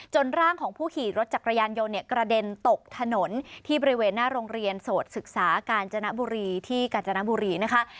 ร่างของผู้ขี่รถจักรยานยนต์เนี่ยกระเด็นตกถนนที่บริเวณหน้าโรงเรียนโสดศึกษากาญจนบุรีที่กาญจนบุรีนะคะ